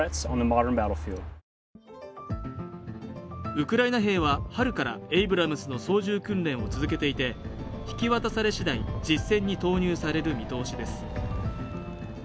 ウクライナ兵は春からエイブラムスの操縦訓練を続けていて引き渡され次第実戦に投入される見通しです